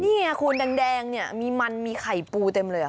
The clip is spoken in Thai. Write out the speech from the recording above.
นี่คุณแดงมีมันมีไข่ปูเต็มเลย